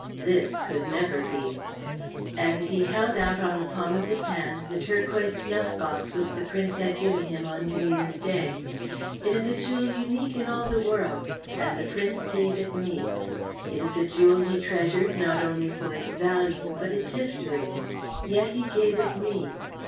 This could never be," and he held out on the palm of his hand the turquoise snuff box which the Prince had given him on New Year's day. "It is a jewel unique in all the world, and the Prince gave it me. It is a jewel he treasured not only for its value, but its history. Yet he gave it me.